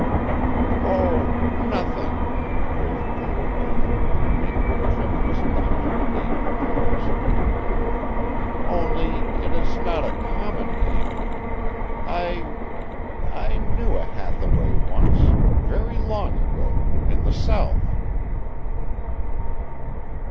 "Oh, nothing," quavered the old lady, making a tremulous attempt to regain her poise. "Only it is not a common name. I I knew a Hathaway once very long ago in the South."